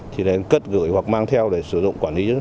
thì lại cất gửi hoặc mang theo để sử dụng quản lý